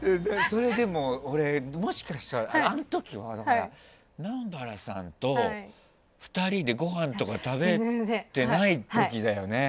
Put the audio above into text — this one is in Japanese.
それでも俺、もしかしたらあん時は南原さんと２人でごはんとか食べてない時だよね。